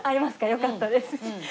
よかったです。